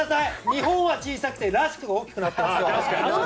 日本は小さくて、「らしく」が大きくなっています。